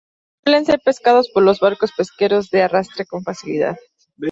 Suelen ser pescados por los barcos pesqueros de arrastre con facilidad.